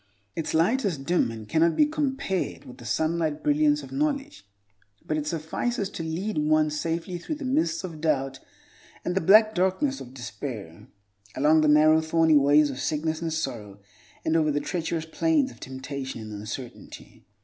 Its light is dim, and cannot be compared with the sunlight brilliance of knowledge, but it suffices to lead one safely through the mists of doubt and the black darkness of despair; along the narrow, thorny ways of sickness and sorrow, and over the treacherous planes of temptation and uncertainty.